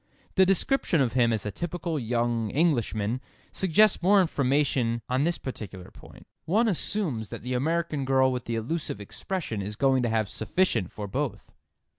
The description of him as a "typical young Englishman" suggests more information on this particular point. One assumes that the American girl with the elusive expression is going to have sufficient for both.